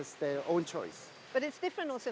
tetapi setiap pembuat memiliki pilihan yang berbeda